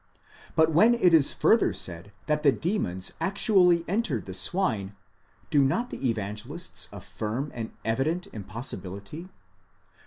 But when it is further said that the demons actually entered the swine, do not the Evangelists affirm an evident impossibility?